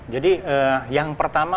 jadi yang pertama